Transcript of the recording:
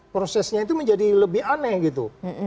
prosesnya itu menjadi lebih aneh gitu